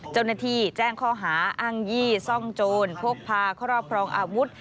เจ้าหน้าที่แจ้งข้อหาอ้างยี่ซ่องโจรพกพาครอบครองอาวุธ